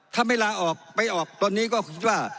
ถ้าไม่ลาออกไปออกตอนนี้ก็คิดว่า